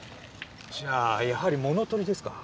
じゃあやはり物取りですか。